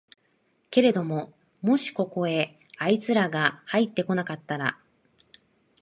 けれどももしここへあいつらがはいって来なかったら、